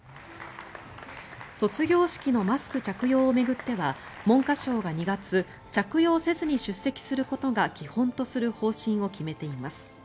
卒業式のマスク着用を巡っては文科省が２月着用せずに出席することが基本とする方針を決めています。